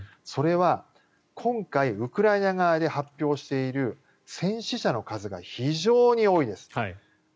それは今回ウクライナ側で発表している戦死者の数が非常に多いです。